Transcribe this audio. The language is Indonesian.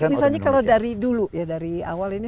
misalnya kalau dari dulu ya dari awal ini